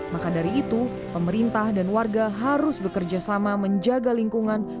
maka dari itu pemerintah dan warga harus bekerja sama menjaga lingkungan